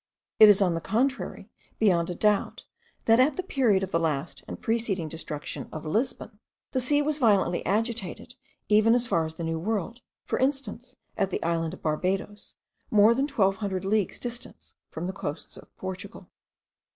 It is on the contrary beyond a doubt, that at the period of the last and preceding destruction of Lisbon,* the sea was violently agitated even as far as the New World, for instance, at the island of Barbados, more than twelve hundred leagues distant from the coasts of Portugal.